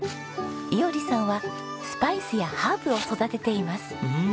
衣織さんはスパイスやハーブを育てています。